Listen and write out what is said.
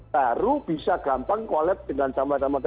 baru bisa gampang collab dengan sama sama gede